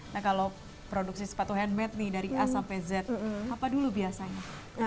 nah kalau produksi sepatu handmade nih dari a sampai z apa dulu biasanya